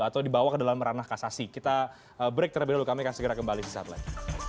atau dibawa ke dalam ranah kasasi kita break terlebih dahulu kami akan segera kembali sesaat lagi